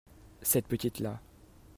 Cette petite-là.